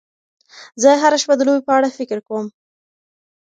زه هره شپه د لوبې په اړه فکر کوم.